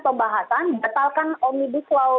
pembahasan batalkan omibus law